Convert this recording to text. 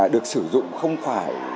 được sử dụng không phải